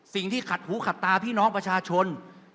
สิ่งที่ขัดหูขัดตาพี่น้องประชาชน